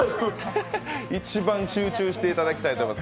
一番集中していただきたいと思います。